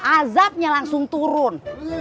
azabnya langsung turun